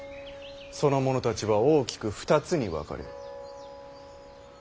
その者たちは大きく２つに分かれる。